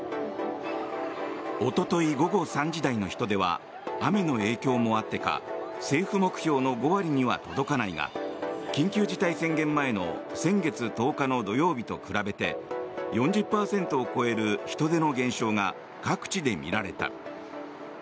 おととい午後３時台の人出は雨の影響もあってか政府目標の５割には届かないが緊急事態宣言前の先月１０日の土曜日と比べて４０％を超える人出の減少が各地で見られた。